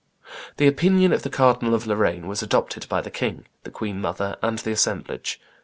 The opinion of the Cardinal of Lorraine was adopted by the king, the queen mother, and the assemblage.